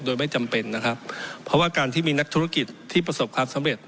โดยไม่จำเป็นนะครับเพราะว่าการที่มีนักธุรกิจที่ประสบความสำเร็จ